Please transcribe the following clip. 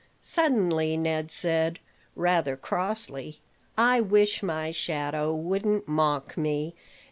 Suddenly Ned said, rather crossly, "I wish my shadow wouldn't mock me.